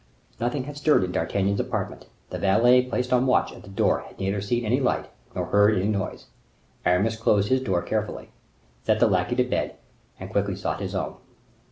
Nothing had stirred in D'Artagnan's apartment. The valet placed on watch at the door had neither seen any light, nor heard any noise. Aramis closed his door carefully, sent the lackey to bed, and quickly sought his own.